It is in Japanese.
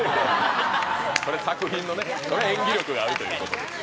それは演技力があるということですよ。